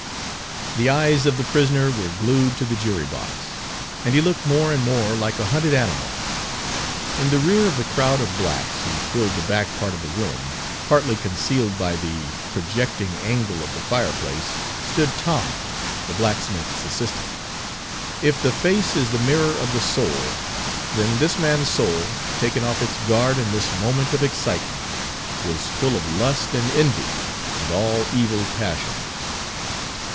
The eyes of the prisoner were glued to the jury box, and he looked more and more like a hunted animal. In the rear of the crowd of blacks who filled the back part of the room, partly concealed by the projecting angle of the fireplace, stood Tom, the blacksmith's assistant. If the face is the mirror of the soul, then this man's soul, taken off its guard in this moment of excitement, was full of lust and envy and all evil passions.